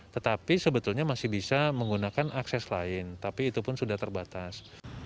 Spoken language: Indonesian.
tetapi sebetulnya masih bisa menggunakan akses lain tapi itu pun sudah terbatas